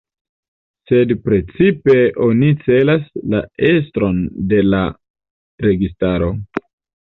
Sed precipe oni celas la estron de la registaro.